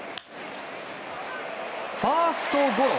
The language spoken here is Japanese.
ファーストゴロ。